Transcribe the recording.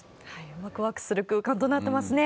わくわくする空間となっていますね。